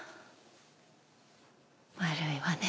悪いわね。